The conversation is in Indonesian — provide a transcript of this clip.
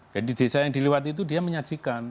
jadi desa yang dilewati itu dia menyajikan